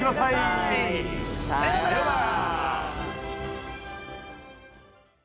さよなら。